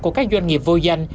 của các doanh nghiệp vô danh